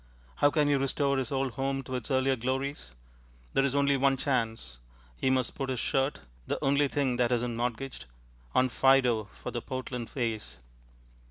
How can he restore his old home to its earlier glories? There is only one chance. He must put his shirt (the only thing that isn't mortgaged) on Fido for the Portland Vase.